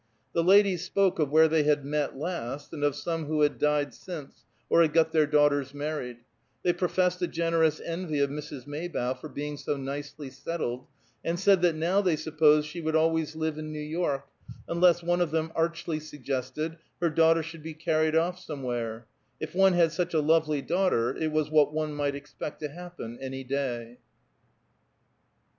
The ladies spoke of where they had met last, and of some who had died since, or had got their daughters married; they professed a generous envy of Mrs. Maybough for being so nicely settled, and said that now they supposed she would always live in New York, unless, one of them archly suggested, her daughter should be carried off somewhere; if one had such a lovely daughter it was what one might expect to happen, any day.